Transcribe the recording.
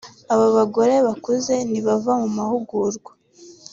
Abo bagore bakuze nibava mu mahugurwa